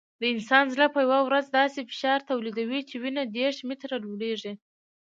د انسان زړه په یوه ورځ داسې فشار تولیدوي چې وینه دېرش متره لوړېږي.